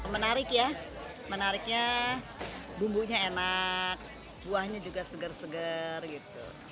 menarik ya menariknya bumbunya enak buahnya juga segar segar gitu